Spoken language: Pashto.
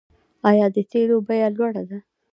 آیا د تیلو بیه لوړه ده؟